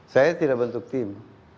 saya tidak bentuk tim